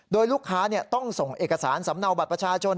โดยลูกค้าต้องส่งเอกสารสำเนาบัตรประชาชน